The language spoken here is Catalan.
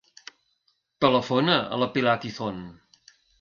Telefona a la Pilar Tizon.